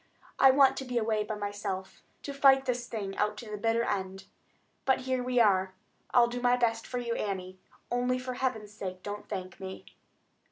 I want to be away by myself, to fight this thing out to the bitter end. But here we are. I'll do my best for you, Annie, only for Heaven's sake don't thank me."